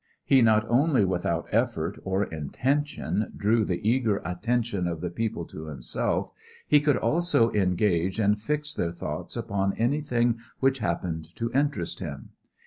He not only without effort or intention drew the eager attention of the people to himself, he could also engage and fix their thoughts upon anything which happened to interest him.